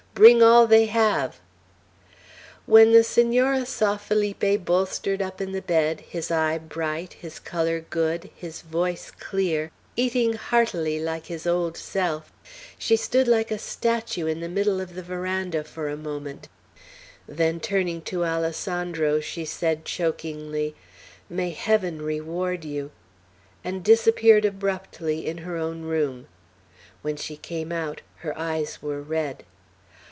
"Bring all they have." When the Senora saw Felipe bolstered up in the bed, his eye bright, his color good, his voice clear, eating heartily like his old self, she stood like a statue in the middle of the veranda for a moment; then turning to Alessandro, she said chokingly, "May Heaven reward you!" and disappeared abruptly in her own room. When she came out, her eyes were red.